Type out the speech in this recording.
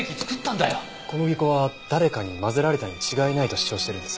小麦粉は誰かに混ぜられたに違いないと主張してるんです。